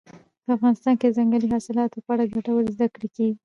په افغانستان کې د ځنګلي حاصلاتو په اړه ګټورې زده کړې کېږي.